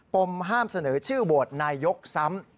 มห้ามเสนอชื่อโหวตนายกซ้ำ